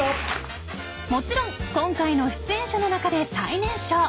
［もちろん今回の出演者の中で最年少］